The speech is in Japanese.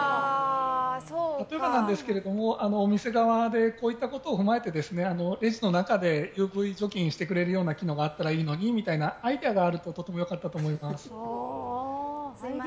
例えば、お店側でこういったことを踏まえてレジの中で除菌してくれたらみたいな機能があったらいいのにみたいなアイデアがあればとてもよかったと思います。